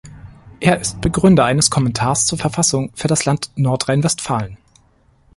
Er ist Begründer eines Kommentars zur Verfassung für das Land Nordrhein-Westfalen.